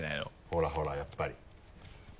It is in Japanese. ほらほらやっぱり。